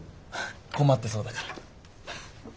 困ってそうだから。